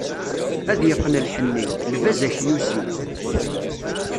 Ad yeqqen lḥenni, lbaz akyusi.